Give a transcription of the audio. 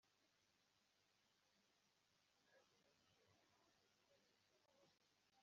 Amakimbirane mu muryango ntajya akemuka